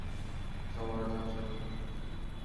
যমরাজ এর জন্য।